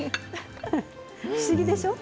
不思議でしょう？